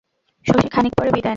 শশী খানিক পরে বিদায় নেয়।